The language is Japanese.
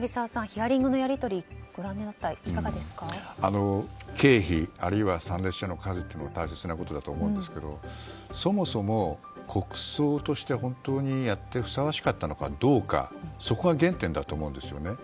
ヒアリングのやりとり経費、あるいは参列者の数も大切なことだと思うんですけどそもそも、国葬として本当にやってふさわしかったのかどうかそこが原点だと思うんですね。